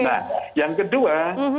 nah yang kedua